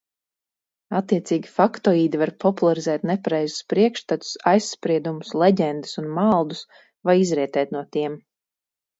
Attiecīgi faktoīdi var popularizēt nepareizus priekšstatus, aizspriedumus, leģendas un maldus, vai izrietēt no tiem.